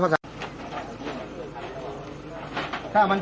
พร้อมแก้มมีจะได้ไว้สิ